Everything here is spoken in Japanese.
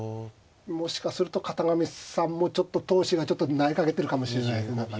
もしかすると片上さんもちょっと闘志が萎えかけてるかもしれないです何かね。